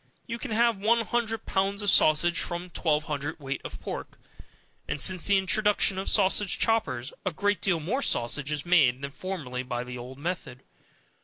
You can have one hundred pounds of sausage from twelve hundred weight of pork, and since the introduction of sausage choppers, a great deal more sausage is made, than formerly, by the old method.